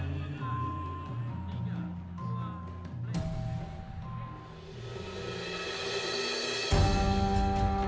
tuhan rakyat menunggu munggu berdaki